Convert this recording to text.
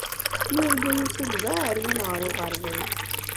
Yurga yusa-d d aɛeryan ɣer uɣerbaz.